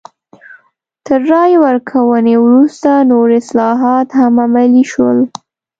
تر رایې ورکونې وروسته نور اصلاحات هم عملي شول.